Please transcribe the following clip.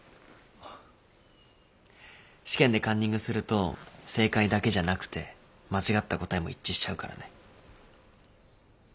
試験でカンニングすると正解だけじゃなくて間違った答えも一致しちゃうからね。